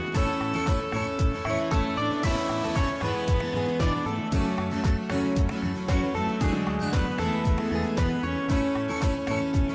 สวัสดีครับ